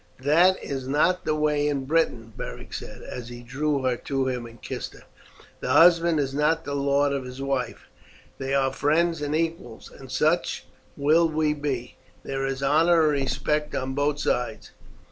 "That is not the way in Britain," Beric said, as he drew her to him and kissed her. "The husband is not the lord of his wife, they are friends and equals, and such will we be. There is honour and respect on both sides."